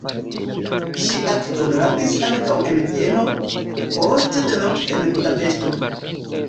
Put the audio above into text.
Ŝi aktoradis ankaŭ en Vieno, poste denove en Budapeŝto.